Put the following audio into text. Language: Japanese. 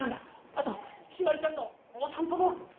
あとひまりちゃんのお散歩も。